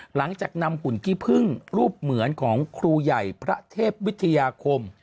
หลังจากนำหุ่นขี้พึ่งรูปเหมือนของครูใหญ่พระเทพวิทยาคม